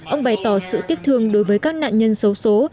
ông bày tỏ sự tiếc thương đối với các nạn nhân xấu xố